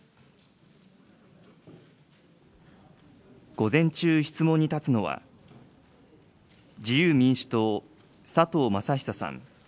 午前中質問に立つのは、自由民主党、佐藤正久さん。